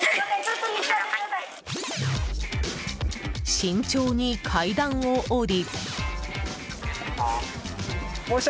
慎重に階段を下り。